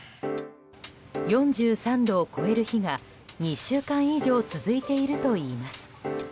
４３度を超える日が２週間以上続いているといいます。